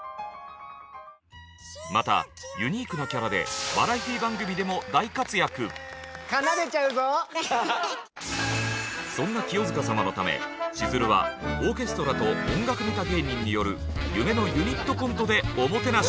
またユニークなキャラでそんな清塚様のためしずるはオーケストラと音楽ネタ芸人による夢のユニットコントでおもてなし。